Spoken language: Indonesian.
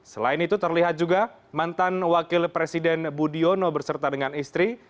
selain itu terlihat juga mantan wakil presiden budiono berserta dengan istri